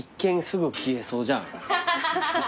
アハハハ。